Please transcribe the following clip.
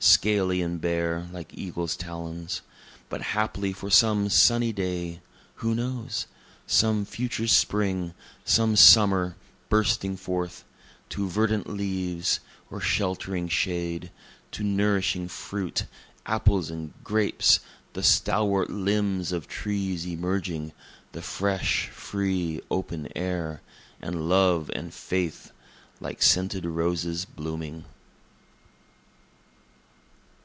(scaly and bare, like eagles' talons,) But haply for some sunny day (who knows?) some future spring, some summer bursting forth, To verdant leaves, or sheltering shade to nourishing fruit, Apples and grapes the stalwart limbs of trees emerging the fresh, free, open air, And love and faith, like scented roses blooming.